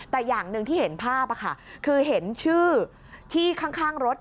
แต่อย่างหนึ่งที่เห็นภาพคือเห็นชื่อที่ข้างรถ